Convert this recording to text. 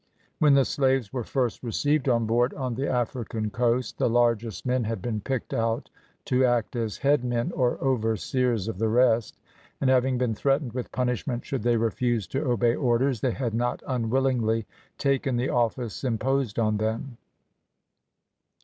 When the slaves were first received on board on the African coast, the largest men had been picked out to act as head men or overseers of the rest, and having been threatened with punishment should they refuse to obey orders, they had not unwillingly taken the office imposed on them.